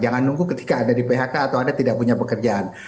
jangan nunggu ketika anda di phk atau anda tidak punya pekerjaan